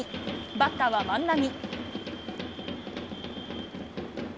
バッターは万波。